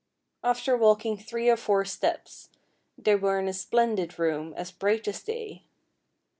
After walking three or four steps they were in a splendid room, as bright as day.